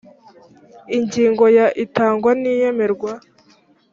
ingingo ya itangwa n iyemerwa